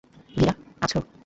ভীরা, আছো?